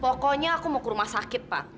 pokoknya aku mau ke rumah sakit pak